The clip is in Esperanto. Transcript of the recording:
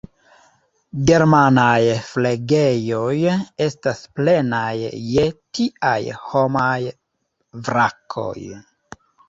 Germanaj flegejoj estas plenaj je tiaj homaj vrakoj.